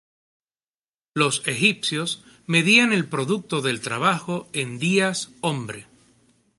Los egipcios medían el producto del trabajo en días-hombre.